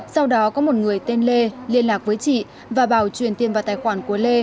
sau đó có một người tên lê liên lạc với chị và bảo truyền tiền vào tài khoản của lê